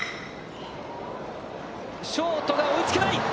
ショートが追いつけない。